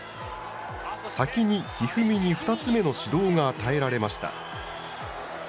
先に一二三に２つ目の指導が与えられました。